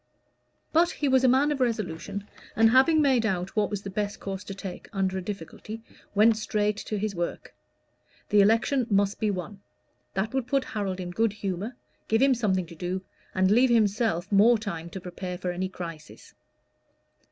But he was a man of resolution, who, having made out what was the best course to take under a difficulty, went straight to his work. The election must be won: that would put Harold in good humor, give him something to do, and leave himself more time to prepare for any crisis.